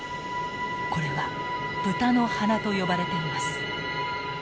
これは豚の鼻と呼ばれています。